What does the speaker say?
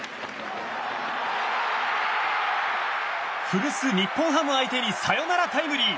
古巣・日本ハム相手にサヨナラタイムリー。